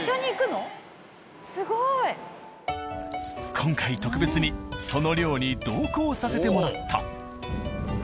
今回特別にその漁に同行させてもらった。